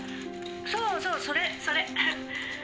「そうそうそれそれ」